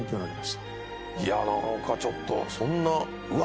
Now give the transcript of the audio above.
何かちょっとそんなうわ！